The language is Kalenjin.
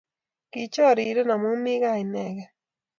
Kichoriren amu kimi kaa inegei